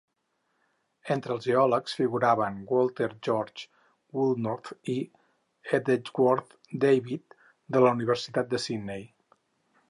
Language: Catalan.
Entre els geòlegs figuraven Walter George Woolnough i Edgeworth David de la Universitat de Sydney.